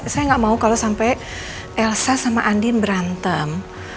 saya nggak mau kalau sampai elsa sama andin berantem